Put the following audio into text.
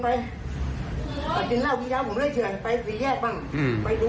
ครับผมก็เดินไปกินเหล้ากี๊เช้าผมเรื่อยเฉยไปสี่แยกบ้างไปดู